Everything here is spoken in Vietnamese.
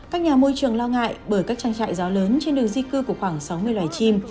các nhà môi trường lo ngại bởi các trang trại gió lớn trên đường di cư của khoảng sáu mươi loài chim